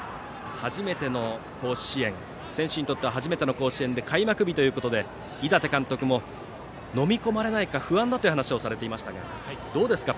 選手にとっては初めての甲子園で開幕日ということで井達監督ものみ込まれないか不安だという話をされていましたがどうですか？